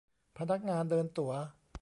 พนักงานเดินตั๋ว